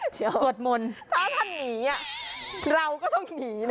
ถ้าท่านหนีนะเราก็ต้องหนีนะ